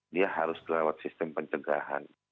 dia harus lewat sistem pencegahan